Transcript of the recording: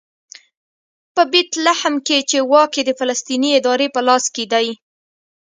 په بیت لحم کې چې واک یې د فلسطیني ادارې په لاس کې دی.